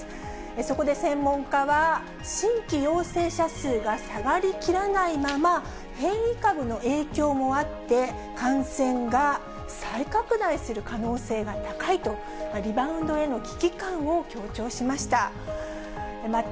そこで専門家は、新規陽性者数が下がりきらないまま、変異株の影響もあって、感染が再拡大する可能性が高いと、リバウンドへの危機感を強調しました。